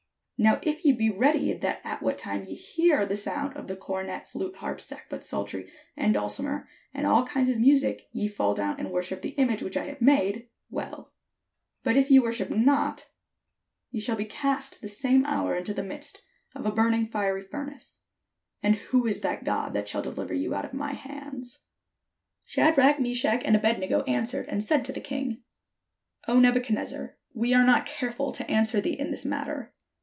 Now if ye be ready that at what time ye hear the sound of the cornet, flute, harp, sackbut, psaltery, and dulcimer, and all kinds of music, ye fall down and wor ship the image which I have made; well: but if ye wor ship not, ye shall be cast the same hour into the midst of a burning fiery furnace; and who is that God that shall dehver you out of my hands?" 503 MESOPOTAMIA Shadrach, Meshach, and Abed nego answered and said to the king: " O Nebuchadnezzar, we are not careful to answer thee in this matter.